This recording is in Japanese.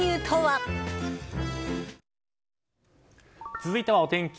続いてはお天気。